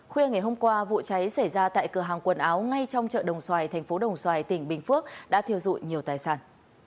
khuya ngày hôm qua vụ cháy xảy ra tại cửa hàng quần áo ngay trong chợ đồng xoài thành phố đồng xoài tỉnh bình phước đã thiêu dụi nhiều tài sản